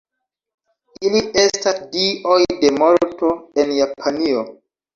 Ili estas dioj de morto en Japanio.